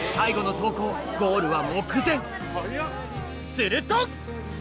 すると！